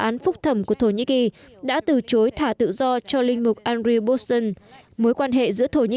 lúc thẩm của thổ nhĩ kỳ đã từ chối thả tự do cho linh mục andrew bolton mối quan hệ giữa thổ nhĩ